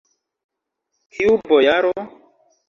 Kiu bojaro?